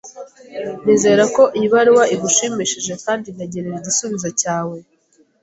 Nizere ko iyi baruwa igushimishije kandi ntegereje igisubizo cyawe.